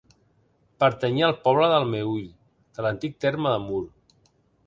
Pertanyia al poble del Meüll, de l'antic terme de Mur.